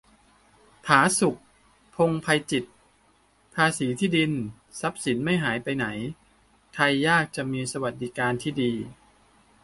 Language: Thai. ผาสุก พงษ์ไพจิตร : ภาษีที่ดิน-ทรัพย์สินไม่ไปไหน ไทยยากจะมีสวัสดิการที่ดี